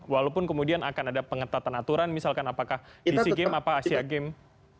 walaupun kemudian akan ada pengetatan aturan misalkan apakah di sea games atau asia games